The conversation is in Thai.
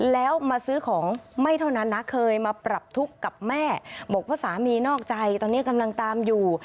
แล้วมาซื้อของไม่เท่านั้นนะเคยมาปรับทุกข์กับแม่บอกว่าสามีนอกใจตอนนี้กำลังตามอยู่